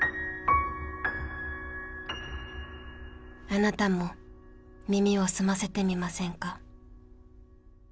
あなたも耳を澄ませてみませんか。